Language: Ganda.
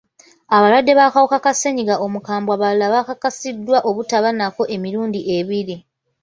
Abalwadde b'akawuka ka ssennyiga omukambwe abalala bakakasiddwa obutaba nako emirundi ebiri.